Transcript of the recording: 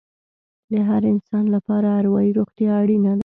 د هر انسان لپاره اروايي روغتیا اړینه ده.